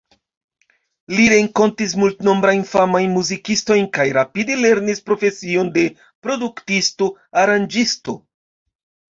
Li renkontis multnombrajn famajn muzikistojn kaj rapide lernis profesion de produktisto, aranĝisto.